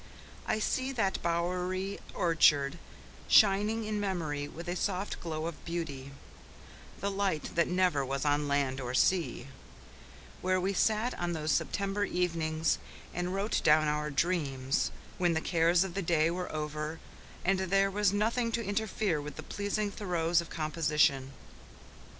I see that bowery orchard, shining in memory with a soft glow of beauty "the light that never was on land or sea," where we sat on those September evenings and wrote down our dreams, when the cares of the day were over and there was nothing to interfere with the pleasing throes of composition.